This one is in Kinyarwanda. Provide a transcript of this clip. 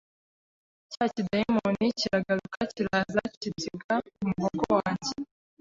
cya kidayimoni kiragaruka kiraza kibyiga mu muhogo wanjye